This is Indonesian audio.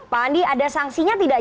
pak andi ada sanksinya tidak